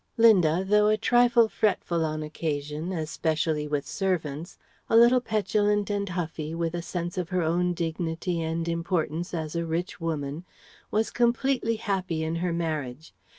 Linda though a trifle fretful on occasion, especially with servants, a little petulant and huffy with a sense of her own dignity and importance as a rich woman, was completely happy in her marriage.